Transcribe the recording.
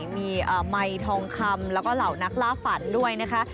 มีไมค์ทองคำแล้วก็เหล่านักล่าฝันด้วยนะคะ